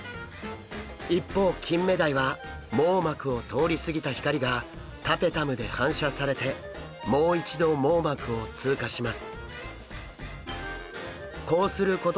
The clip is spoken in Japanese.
一方キンメダイは網膜を通り過ぎた光がタペタムで反射されてもう一度網膜を通過します。